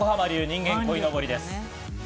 横浜流、人間こいのぼりです。